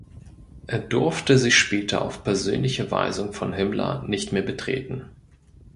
Er durfte sie später auf persönliche Weisung von Himmler nicht mehr betreten.